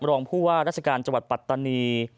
รองผู้ว่าราชการจังหวัดปัตตานี